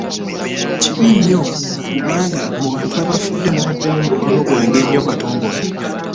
Kibi nnyo kuba omu ku bantu abafudde mubaddemu mukwano gwange ayitibwa Katongole